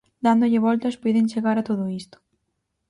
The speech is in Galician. Dándolle voltas puiden chegar a todo isto.